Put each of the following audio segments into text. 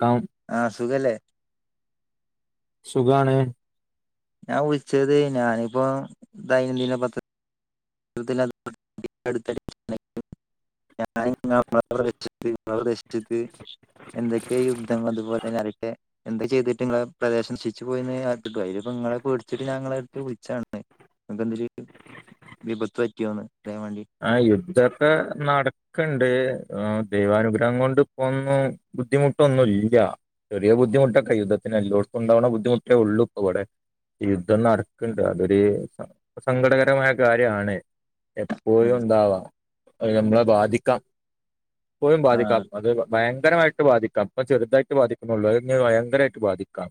ക്കാം ആഹ് സുഖല്ലേ? സുഖാണ് ഞാൻ വിളിച്ചത് ഞാനിപ്പോ ദൈനംദിന പത്ര [unintelligible] ഞാൻ [unintelligible] എന്തൊക്കെ യുദ്ധം അതുപോലെ എന്താ ചെയ്തിട്ട് നിങ്ങളെ പ്രദർശിച്ച് പോയി അ നിങ്ങളെ പേടിച്ചിട്ട് ഞങ്ങളെടുത്ത് വിളിച്ചാണ് നക്ക എന്തരു വിപത്ത് വറ്റാണ് ആ യുദ്ധൊക്കെ നടക്കണ്ട് ദൈവാനുഗ്രഹം കൊണ്ട് ഇപ്പോന്നും ബുദ്ധിമുട്ടൊന്നുല്ല ചെറിയ ബുദ്ധിമുട്ട യുദ്ധത്തിന് എല്ലോട്ത്തുംണ്ടാവുന്ന ബുദ്ധിമുട്ടേ ഉള്ളുവിടെ ദ്ധം നടക്ക്‌ണ്ട് അതൊരു സങ്കടകരമായ കാര്യാണ് പോഴും ആഹ് ഉണ്ടാവാം നമ്മളെ ബാധിക്കാം പ്പോഴും ബാധിക്കാം ആഹ് അത് ഭയ യങ്കരമായിട്ട് ബാധിക്കാം ഇപ്പ ചെറുതായിട്ട് ബാധിക്കുന്നുള്ളൂ അഴ്ഞ്ഞാ ഭയങ്കരമായിട്ട് ബാധിക്കാം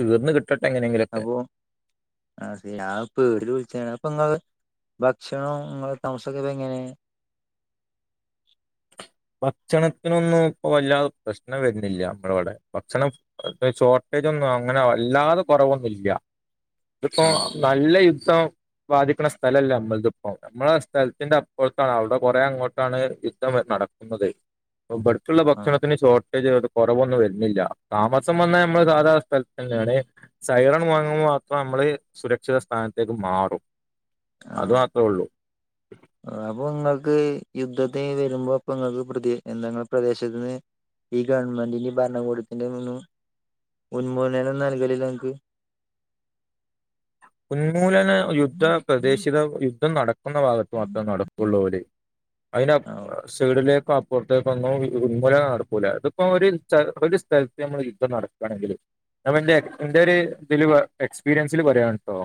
തീർന്ന് കിട്ട അപ്പൊ അതെ ആ പേടില് വിളിച്ചാണ് അപ്പൊ നിങ്ങള് ഭക്ഷണോം ങ്ങളെ താമസൊക്കെ എങ്ങനെ ഭക്ഷണത്തിനൊന്നും ഇപ്പ വല്ലാതെ പ്രശ്നം വരുന്നില്ല നമ്മുടെവിടെ ഭക്ഷണം ഷോർട്ടേജ് ഒന്നും അങ്ങനെ വല്ലാതെ കുറവൊന്നുല്ല ഇതിപ്പോ ഓ നല്ല യുദ്ധം ബാധിക്കുന്ന സ്ഥലല്ല നമ്മളതിപ്പം നമ്മള സ്ഥലത്തിന്റെ അപ്പറത്താണ് അവിടെ കൊറെേ അങ്ങോട്ടാണ് യുദ്ധം നടക്കുന്നത് ബ്ബട്ക്ക്‌ള്ള ആഹ് ഭക്ഷണത്തിന് ഷോ കുറവൊന്നും വരുന്നില്ല താമസം വന്നാൽ നമ്മള് സാധാരണ സ്ഥലത്ത് തന്നെയാണ് സൈറൺ മുഴങ്ങുമ്പോ മാത്ര നമ്മള് സുരക്ഷിത സ്ഥാനത്തേക്ക് മാറും അത് ആഹ് മാത്രേ ഉള്ളൂ അപ്പൊ നിങ്ങൾക്ക് യുദ്ധത്തിന് വരുമ്പോ അപ്പ നിങ്ങൾക്ക് പ്രതി എന്തങ്ങളെ പ്രദേശത്തിന്ന് ഈ ഗവൺമെന്റിന്റിം ഭരണകൂടത്തിന്റിം ഉന്മൂലനം നൽകലില്ലെ ങ്ങക്ക്? ഉന്മൂലന യുദ്ധ പ്രദേശിത യുദ്ധം നടക്ക ക്കുന്ന ഭാഗത്ത മാത്രേ നടക്കുള്ളൂ അതിന് ആ സൈഡിലെ അപ്പുറത്തേക്കൊന്നും ഉന്മൂലനം നടക്കൂല ഇതിപ്പോ ഒരു ഒരു സ്ഥലത്ത് നമ്മൾ യുദ്ധം നടക്കാണെങ്കില് നമ്മന്റെ ന്റെര് എക്സ്പീരിയൻസില് പറയാണ് ട്ടോ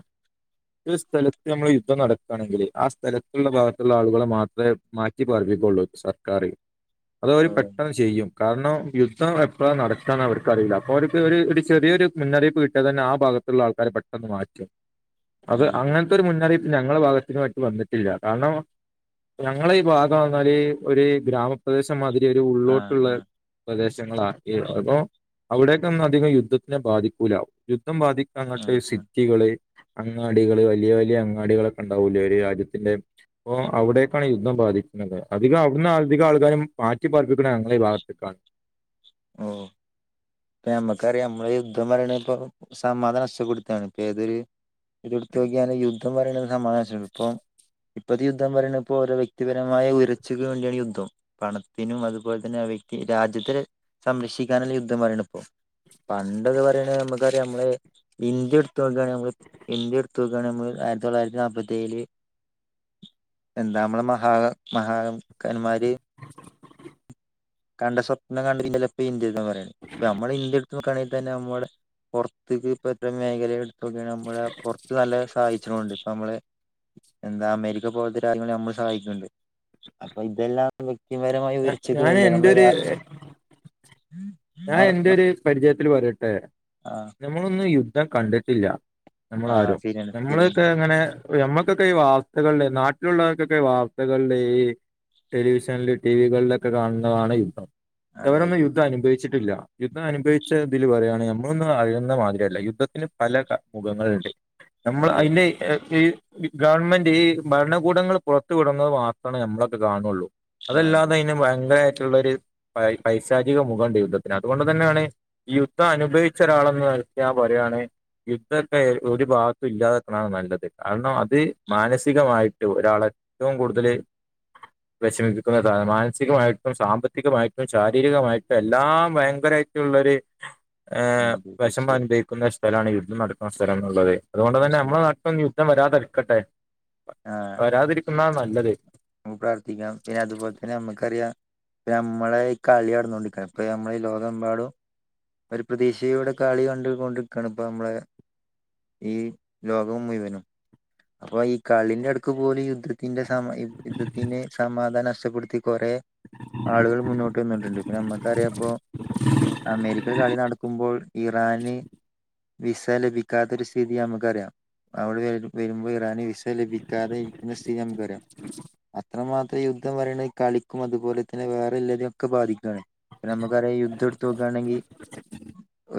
ഒരു സ്ഥലത്ത് നമ്മള് യുദ്ധം നടക്കാണെങ്കിലേ ആ സ്ഥലത്തുള്ള ഭാഗത്തുള്ള ആളുകളെ മാത്രേ മാറ്റി പാർപ്പി [unintelligible] സർക്കാർ അത് അവര് ഓ പെട്ടെന്ന് ചെയ്യും കാരണം. യുദ്ധം എപ്പളാ നടക്കാന്ന് അവർക്കറീല അപ്പോ ഒരിത് ഒരു [unintelligible] ചെറിയൊരു മുന്നറിയിപ്പ് കിട്ടിയത്തന്നെ ആ ഭാഗത്തുള്ള ആൾക്കാര പെട്ടന്ന് മാറ്റും ആ അത് അതെ അങ്ങനത്തെ ഒരു മുന്നറിയിപ്പ് ഞങ്ങള ഭാഗത്തിനു വന്നിട്ടില്ല കാരണം ഞങ്ങള ഈ ഭാഗം [unintelligible] ഒരു ഗ്രാമപ്രദേശം മാതി ഒരു ആ ഉള്ളോട്ടുള്ള ആ പ്രദേശങ്ങളാണ് ഈ [unintelligible] അവിടേക്കൊന്നും അധികം യുദ്ധത്തിനെ ബാധിക്കൂല യുദ്ധം ആ ബാധിക്കങ്ങട്ട് ആ സിറ്റികൾ. അങ്ങാടികള് വലിയ വലിയ അങ്ങാടികളൊക്കെ ഉണ്ടാവൂലേ ഒരു രാജ്യത്തിന്റെ. ഇപ്പൊ അവിടേക്കാണ് യുദ്ധം ബാധിക്കുന്നത് അധികം ഔട്ന്ന് അധികം ആൾക്കാരും മാറ്റി പാർപ്പിക്ക്ണത് ഞങ്ങളെ ഈ ഭാഗത്ത്ക്കാണ്. [inaudible] ഓ. ഇപ്പ നമ്മക്കറിയാ നമ്മള യുദ്ധം പറിണത് ഇപ്പോ സമാധം നഷ്ടപെടുത്താണ് ഇപ്പൊ ഏതൊരു. ഇതെടുത്തോക്കിയാല് യുദ്ധം പറിണത് [unintelligible] ഇപ്പം. ഇപ്പത്തെ യുദ്ധം പറിയാണെ ഇപ്പോ ഓരോ വ്യക്തിപരമായ ഉയർച്ചക്ക് വേണ്ടിയാണ് യുദ്ധം പണത്തിനും അതുപോൽ തന്നെ. [unintelligible] രാജ്യത്തെ സംരക്ഷിക്കാനെല്ലെ യുദ്ധം പറിണ [inaudible] പണ്ടക്കെ പറിയാണ് മ്മക്കറിയാ മ്മള്. ഇന്ത്യ ഇട്ത്തൊക്കാണ് നമ്മൾ ഇന്ത്യ ഇട്ത്തൊക്കാണ് നമ്മള് ആയിരത്തി തൊള്ളായിരത്തി നാപ്പത്തി ഏഴില്. എന്താ മ്മളെ മഹാ ഹ് മഹാഹ് ക്കന്മാര്. [inaudible] കണ്ട സ്വപ്നം കണ്ട നമ്മള് ഇന്ത്യ ത്തോക്കണെങ്കിൽ തന്നെ നമ്മളെ പുറത്ത്ക്ക് ഇപ്പത്തെ മേഖലയെ ഇട്ത്തൊക്കാണ് നമ്മളെ പൊറത്ത് നല്ല സായ് ണ്ട് ഇപ്പമ്മൾ. എന്താ അമേരിക്ക പോൽത്തെ രാജ്യങ്ങളെ നമ്മള് സഹായിക്ക്ണ്ട് അപ്പൊ ഇതെല്ലാ ക്തിപരമായ ഉയർച്ചക്ക് ഞാൻ വേണ്ടിയാണ് എന്റെ നമ്മളെ ഒരു രാ ഞാൻ എന്റൊരു പരിചയത്തിൽ പറിയട്ടെ ആഹ് നമ്മളൊന്നും യുദ്ധം കണ്ടിട്ടില്ല. നമ്മള ആഹ് ആാരോ ശരിയാണ് ശരിയാണ് നമ്മളൊക്കെ അങ്ങനെ. ഇപ്പൊ ഞമ്മക്കൊക്കെ ഈ വാർത്തകള്ല് നാട്ടിലുള്ളവർക്കൊക്കെ വാർത്തകള്ല് ഈ. ടെലിവിഷൻൽ ടീവികളിലൊക്കെ കാണ്ന്നതാണ് യുദ്ധം അതെ ഇവിടൊന്നു അതെ യുദ്ധം അനുഭവിച്ചി ട്ടില്ല യുദ്ധം അനുഭവിച്ച ഇതിൽ പറിയാണെ ഞമ്മളൊന്നും മാതിരിയല്ല യുദ്ധത്തിന് പല മുഖങ്ങളുണ്ട്. നമ്മൾ അതെ അയിന്റെ എ ഇ. ഈ ഗവൺമെന്റ് ഈ ഭരണകൂടങ്ങൾ പുറത്തു വിടുന്നത് മാത്രമാണ് നമ്മളൊക്കെ കാണുള്ളൂ. ആഹ് അതെ അതല്ലാതെ അയിന് ഭയങ്കരായിട്ടുള്ളൊരു പൈ പൈശാചിക മുഖണ്ട് യുദ്ധ പിന്നെ അതുകൊണ്ട് തന്നേണ് യുദ്ധം അനുഭവിച്ച ഒരാളെന്ന് നൽക്ക് ഞാൻ പറിയാണ്. യുദ്ധക്കെ ഒരു ഭാഗത്തും ഇല്ലാതക്കാണ് നല്ലത് കാരണം അത് മാനസികമായിട്ട് ഒരാളെ. റ്റവും കൂടുതല്. വെഷമിപ്പിക്കുന്ന [unintelligible] മാനസികമായിട്ടും സാമ്പത്തികമായിട്ടും ശാരീരികമായിട്ടും എല്ലാ ഭയങ്കരായിട്ടുള്ളൊരു ഏ അതെ വെഷമ തീർച്ചയായും അനുഭവിക്കുന്ന ശ് സ്ഥലാണ് യുദ്ധം നടക്കുന്ന സ്ഥലം ന്നുള്ളത് അതുകൊണ്ടുതന്നെ തീർച്ചയായും നമ്മളെ നാട്ടിലൊന്നു യുദ്ധം വരാതെരുക്കട്ടെ. ആഹ് വരാതിരിക്കുന്ന നല്ലത്. നമുക്ക് പ്രാർത്ഥിക്കാം പിന്നെ അതുപോലെ തന്നെ നമുക്കറിയാം നമ്മളെ ഈ കളി നടന്നൊണ്ടിക്ക ഇപ്പ നമ്മള ഈ ലോകമെമ്പാടും. ഒരു പ്രതീക്ഷയോടെ കളി കണ്ടുകൊണ്ട്ക്കാണ് ഇപ്പൊ മ്മളെ. ഈ ലോകം മുഴുവനും അപ്പൊ ഈ കളിന്റെടുക്ക് പോലും യു യുദ്ധത്തിന്റെ സമാ യുദ് യുദ്ധത്തിന്റെ സമാധാനം നഷ്ട്ടപ്പെട്ത്തി കൊറെേ. ആളുകൾ മുന്നോട്ട് വന്നിട്ട്ണ്ട് ഇപ്പൊ നമ്മക്കറിയാം പ്പൊ. അമേരിക്ക കളി നടക്കുമ്പോൾ ഇറാന്. വിസ ലഭിക്കാത്തൊരു സ്ഥിതി മ്മക്കറിയാ അവിടെ വരുമ്പോ ഇറാന് വി അത്രമാത്രം യുദ്ധം പറിണത് കളിക്കും അതുപോലെ തന്നെ വേറെള്ളിതി ഒക്കെ ബാധിക്കാണ്. നമ്മക്കറിയാം യുദ്ധ ഇട്ത്തോക്കാണെങ്കി.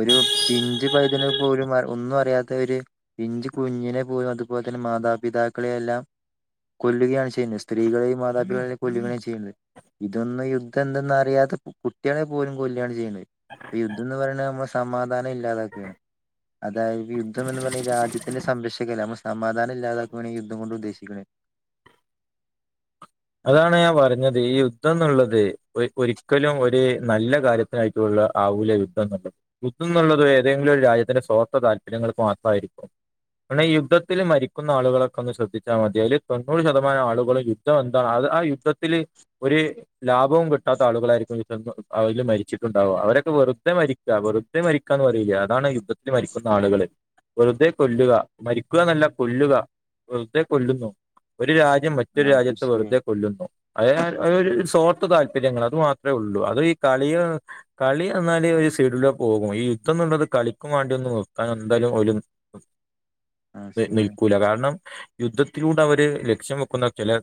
ഒരു പിഞ്ച് പൈതല് പോലും വ ഒന്നു അറിയ ഒരു പിഞ്ചു കുഞ്ഞിനെ പോലും അതുപോലെ തന്നെ മാതാപിതാക്കളെയെല്ലാം ത് കൊല്ലുകയാണ് ചെയ്യുന്നത് സ്ത്രീകളെയും മാതാപിതാക്കളെയും കൊല്ലുകയേയും ചെയ്യുന്നത് ഇതൊന്നും യുദ്ധം എന്തെന്ന് അറിയാതെ കുട്ടികളെ പോലും കൊലുകയാണ് ചെയ്യണുന്നത് ഇ യുദ്ധം എന്ന് പറയ സമാധാനം ഇല്ലാതാക്കയാണ് അതായത് യുദ്ധം എന്ന് പറഞ്ഞ് രാജ്യത്തിന്റെ സംരക്ഷിക്കല്ല നമ്മൾ സമാധാനം ഇല്ലാതാക്കുകയാണെങ്ക യുദ്ധം കൊണ്ട് ഉദ്ദേശിക്കണ അതാണ് ഞാൻ പറഞ്ഞത് ഈ യുദ്ധം എന്നുള്ളത് ഒരിക്കലും ഒരു നല്ല കാര്യത്തിനായിട്ടുള്ള ആവൂലെ യുദ്ധം എന്നുള്ളത് യുദ്ധം എന്നുള്ളത് ഏതെങ്കിലും രാജ്യത്തിന്റെ സ്വാർത്ഥ താല്പര്യങ്ങൾക്ക് മാത്രമായിരിക്കും അണം ഈ യുദ്ധത്തിൽ മരിക്കുന്ന ആളുകളൊക്കെ ഒന്ന് ശ്രദ്ധിച്ചാൽ മതിയൽ തൊണ്ണൂറ് ശതമാം ആളുകളും യുദ്ധം അ അത് ആ യുദ്ധത്തിൽ ഒരു ലാഭവും കിട്ടാത്ത ആളുകളായിരിക്കും അതിൽ മരിച്ചിട്ടുണ്ടാവുക അവരൊക്കെ വെറുതെ മരിക്കുക വെറുതെ മരിക്കാന്ന് പറയില്ല അതാണ് യുദ്ധത്തില് മരിക്കുന്ന ആളുകള് വെറുതെ കൊല്ലുക മരിക്കുക എന്നല്ല കൊല്ലുക വെറുതെ കൊല്ലുന്നു ഒരു രാജ്യ മറ്റൊരു ആ രാജ്യത്ത് കൃഷിയെ വെറുതെ കൊല്ലുന്നു അത ഒരു സ്വാർത്ത താല്പര്യങ്ങൾ അത് മാത്രമേ ഉള്ളൂ അത് ഈ കളി കളി എന്നല് സീഡില പോകും ഈ യുദ്ധം നുള്ളത് കളിക്കും വേണ്ടി ഒന്ന് നിർത്താൻ എന്തായാലും ഒരു ആ ശരിയാണ് നിൽക്കൂല കാരണം യുദ്ധത്തിലൂടെ അവര് ലക്ഷ്യം വെക്കുന്ന ചില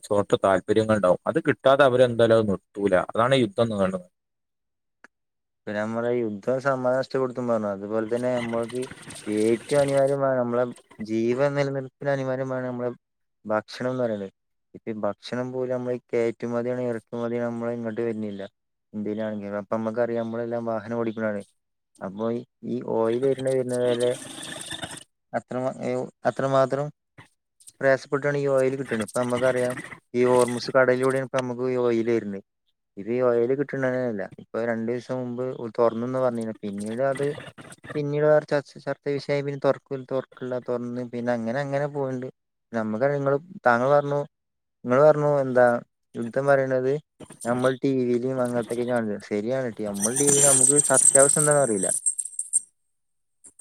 താല്പര്യങ്ങൾണ്ടാവും അത് കിട്ടാതെ അവരെന്തായാല നിർത്തൂല അതാണ് യുദ്ധം എന്ന് കാണ്ടുന്നത് പിന്നെ നമ്മുടെ യുദ്ധം [unintelligible] പറഞ്ഞു അതുപോലെ തന്നെ നമ്മൾക്ക് ഏറ്റവും അനിവാര്യമാണ് നമ്മളെ ജീവൻ നിലനിൽപ്പി അനിവാര്യമാണ് നമ്മള് ഭക്ഷണം എന്ന് പറയുന്നത് ഇപ്പ ഭക്ഷണം പോലും നമ്മൾ കയറ്റുമതിയാണ് ഇറക്കുമ മതി മ്മള ഇങ്ങോട്ട് വരുന്നില്ല ഇന്ത്യയിലാണെങ്ക അപ്പ നമ്മുക്കറിയാം നമ്മളെല്ലാം വാഹനം ഓടിക്കാണ് അപ്പോ ഈ ഓയിൽ വര് വര്ണ വരെ അ അത്ര മാത്രം പ്ര ട്ടാണ് ഇ ഓയില് കിട്ടണ്ത് ഇപ്പ നമ്മക്കറിയ ഈ ഓർമൂസ് കടിലൂടെയ നമുക്കീ ഓയില് വരുന്നെ ഇ ഓയില് കിട്ടണ ല്ല ഇപ്പൊ രണ്ടു ദിവസം മുമ്പ് തുറന്നന്ന് പറഞ്ഞന്ന പിന്നീട് അത് പിന്നീട് വേറെ ചർ ചർച്ച വിഷയമായി പിന്നെ തുറക്ക തുറക്കില്ല തുറന്നന്ന് പിന്നെ അങ്ങനെ അങ്ങനെ പോയിണ്ട് നമ്മുക്ക് നിങ്ങള് താങ്കൾ പറഞ്ഞു നിങ്ങള് പറഞ്ഞു എന്താ യുദ്ധം പറയുന്നത് നമ്മൾ ടിവിയിലും അങ്ങനത്തൊക്കെ കാണ ശരിയാണട്ടി നമ്മുടെ ടിവി നമുക്ക് സത്യാവശ്യം എന്താന്ന അറിയില്ല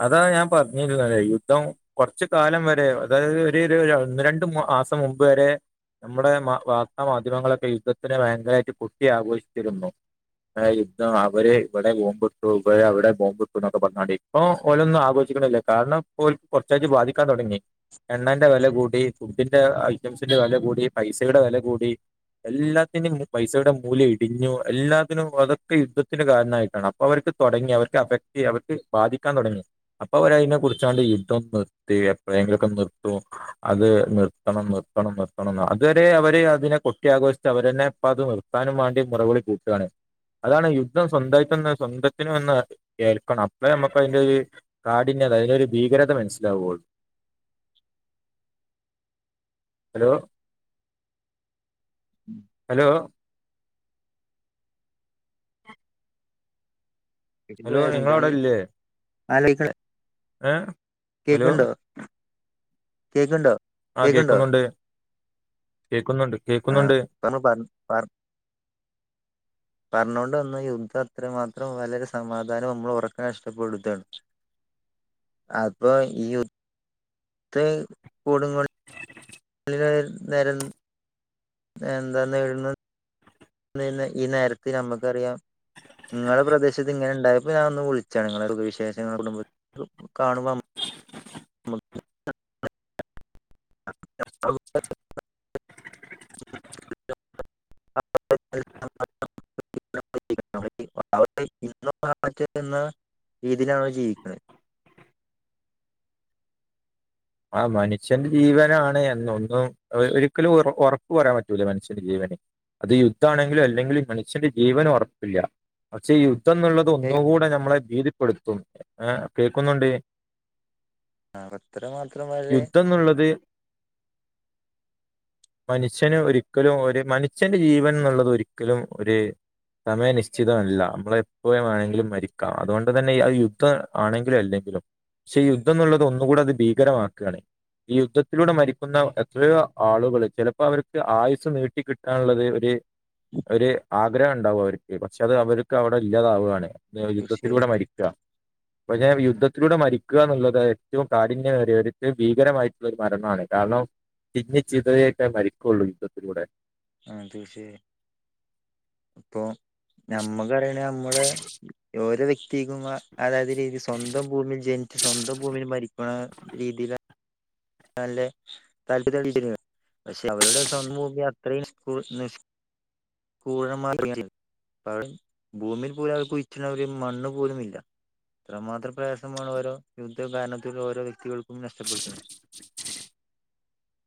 അതാ ഞാൻ പറഞ്ഞിരുന്നല്ലേ യുദ്ധം കൊറച്ച കാലം വരെ അതായത് ഒരു ഒരു ഒന്നു രണ്ട് മാസം മുമ്പ് വരെ നമ്മടെ വാർത്താ മാധ്യമങ്ങളൊക്കെ യുദ്ധത്തിനെ ഭയങ്കരായിട്ട് പൊട്ടി ആഘോഷിച്ചിരുന്നു യുദ്ധം അവര് ഇവിടെ ബോബിട്ടു ഇവ അവിടെ ബോബിട്ടു എന്നൊക്കെ പറഞ്ഞാ ഇപ്പൊ ഓലൊന്നും ആഘോശിക്കണില്ല കാരണം ഇ കുറച്ചഴ്ച്ച് ബാധിക്കാൻ തൊടങ്ങി എണ്ണന്റെ വില കൂടി ഫുഡിന്റെ ഐറ്റംസിന്റെ വില കൂടി പൈസയുടെ വില കൂടി എല്ലാത്തിനും പൈസയുടെ മൂല്യം ഇടിഞ്ഞു എല്ലാത്തിനും അതൊക്കെ യുദ്ധത്തിന്റെ കാരണയിട്ടാണ് അപ്പൊ അവർക്ക് തൊടങ്ങി അവർക്ക് അവക്തി അവർക്ക് ബാധിക്കാൻ തുടങ്ങി അപ്പൊ അവര അതിനെ കുറിച്ചണ്ട് യുദ്ധം നിർത്തി എപ്പോഴെങ്കിലൊക്കെ നിർത്തു അത് നിർത്തണം നിർത്തണം നിർത്തണം അതുവരെ അവര് അതിനെ കൊട്ടി ആഘോഷിച്ച് അവരന്നെ ഇപ്പ അത് നിർത്താനും മൊറവിളി കൂട്ടാണ് അതാണ് യുദ്ധം സ്വന്തായിട്ടന്ന് സ്വന്തത്തിനും എന്ന് കേൾക്കണം അ നമുക്ക് അതിന്റെറെ ഒരു കാഠിന്യത അതിറെ ഒരു ഭീകരത മനസ്സിലാവയുള്ളൂ ഹലോ ഹലോ ഹലോ നിങ്ങളവിടെ [unintelligible] ഇല്ലേ ആലോക്ക ഏ ഹലോ കേക്കുണ്ടോ കേക്കുണ്ടോ ആ കേക്കണ്ടോർ കേൾക്കുന്നുണ്ട് കേൾക്കുന്നുണ്ട് ആ കേൾക്കുന്നുണ്ട് പറ പറ പറ കാരണം കൊണ്ട് വന്ന യുദ്ധം അത്രമാത്രം വളരെ സമാധാനം നമ്മൾ ഉറക്കം നഷ്ടപ്പെടുകയാണ് അപ്പൊ [unintelligible] കൊല്ലി നേരം എന്താ നേടുന്നത് ഈ നേരത്തെ നമ്മുക്കറിയാം നിങ്ങളുടെ പ്രദേശത്ത് ഇങ്ങനെ ഉണ്ടായപ്പോ ഞാൻ ഒന്ന് വിളിച്ചാണ് നിങ്ങളെ വിശേഷങ്ങളുടെ [unintelligible] [unintelligible] [inaudible] [inaudible] രീതിയിലാണ് അവര് ജീവിക്കുന്നത് ആ മനുഷ്യന്റെ ജീവനാണ് എന്നൊന്നും ഒരിക്കലും ഒറപ്പ് പറയാൻ പറ്റൂല മനുഷ്യന്റെ ജീവന് അത് യുദ്ധാണെങ്കിലും അല്ലെങ്കിൽ മനുഷ്യന്റെ ജീവന് ഒറപ്പില്ല പക്ഷേദ്ധം കത്ത എന്നുള്ളത് കേൾക്കാം ഒന്നുകൂടെ നമ്മളെ ഭീതിപ്പെടുത്തും ഏ കേൾക്കുന്നുണ്ടേ ആഹ യുദ്ധന്നുള്ളത് മനുഷ്യന് ഒരിക്കലും ഒരു മനുഷ്യ ജീവൻ എന്നുള്ളത് ഒരിക്കലും ഒരു സമയനിശ്ചിതല്ല നമ്മള എപ്പോയ് വേണെങ്കിലും മരിക്കാം അതുകൊണ്ട് തന്നെ അത് യുദ്ധം ആണെങ്കിലും അല്ലെങ്കിലും പക്ഷേ യുദ്ധംന്നുള്ളത് ഒന്നുകൂടെ അത് ഭീകരമാക്കുകയണേ ഈ യുദ്ധത്തിലൂടെ മരിക്കുന്ന എത്രയോ ആളുകൾ ചെലപ്പോ അവർക്ക് ആയുസ് നീട്ടി കിട്ടാനുള്ളത് ഒരു ഒരു ആഗ്രഹം ഉണ്ടാവും അവർക്ക് പക്ഷെ അത് അവർക്ക് അവിടെ ഇല്ലാതാവുകയാണ് യുദ്ധത്തിലൂടെ തീർച്ചയായും മരിക്കുക അൊ ഞാൻ യുദ്ധത്തിലൂടെ മരിക്കുക എന്നുള്ളത് ഏറ്റവും കാഠിന്യമായി ത്ത് ഭീകരമായിട്ടുള്ള ഒരു മരണമാണ് കാരണം തിഞ്ഞ ചിതയൊക്കെ മരിക്കയുള്ളൂ യുദ്ധത്തിലൂടെ ആ തീർച്ചയായും ഇപ്പൊ നമ്മക്ക് പറണ നമ്മള് ഓരോ വ്യക്തിക്കും അതായത് രീതി സ്വന്തം ഭൂമിയിൽ ജനിച്ച്ു സ്വന്തം ഭൂമയിൽ മരിക്കുന്ന രീതിയില നല്ലേ താല്പര്യ കളിച്ചിരുന്നു പക്ഷെ അവരുടെ സ്വന്തമൂമ്യ അത്രയും നികൂരമാക്ക അ അവ ഭൂമിയിൽ പോല അവർക്ക് ഇച്ചണ ഒരു മണ്ണ് പോലുമില്ല ഇത്രമാത്രം പ്രയാസമാണ് ഓരോ യുദ്ധ കാരണത്തിലൽ ഓരോ വ്യക്തികൾക്കും നഷ്ടപ്പെടുത്തുന്നത്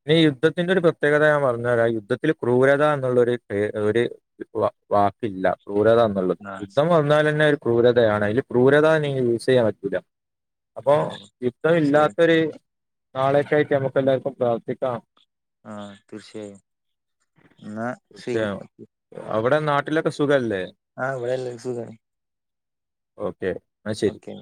ഇനി യുദ്ധത്തിന്റെ ഒരു പ്രത്യേകത ഞാൻ പറഞ്ഞുരാ യുദ്ധത്തിൽ ക്രൂരത എന്നുള്ളരു ഒരു വാക്കില്ല ക്രൂരത എന്നുള്ളത് യുദ്ധം വന്നൽ തന്നെ ഒരു ക്രതയാണ് അതില് ക്രത നിങ്ങ യൂസ് ചെയ്യാൻ പറ്റൂല്ല അപ്പൊ ഓ യുദ്ധം തീർച്ചയായും ഇല്ലാത്തൊരു നാളേക്കായിട്ട് നമുക്ക് എല്ലാവർക്കും പ്രാർത്ഥിക്കാം ആഹ തീർച്ചയായും എന്നാ ശരി ഓ ഇവി നാട്ടിലക്കെ സുഖമല്ലേ ആഹ വളല്ല ശു തണ ഓക്കെ എന്നാ ശരി. ഓക്കെ